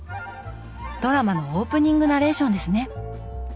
ドラマのオープニングナレーションですね。